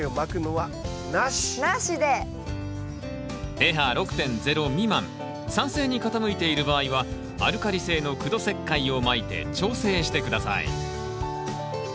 ｐＨ６．０未満酸性に傾いている場合はアルカリ性の苦土石灰をまいて調整して下さい。